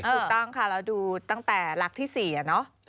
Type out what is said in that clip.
ถูกต้องค่ะเราดูตั้งแต่ลักษณ์ที่๔อะเนาะ